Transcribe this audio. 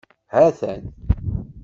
Hatan.